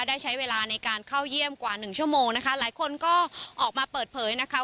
ได้ใช้เวลาในการเข้าเยี่ยมกว่าหนึ่งชั่วโมงนะคะหลายคนก็ออกมาเปิดเผยนะคะ